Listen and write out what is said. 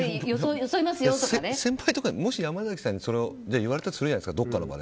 先輩とかもし山崎さんに言われたとするじゃないですか。